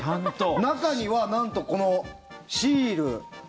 中にはなんと、このシール。